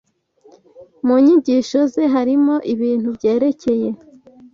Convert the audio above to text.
Mu nyigisho ze harimo ibintu byerekeye